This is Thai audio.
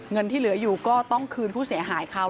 เงินที่เหลืออยู่ก็ต้องคืนผู้เสียหายเขา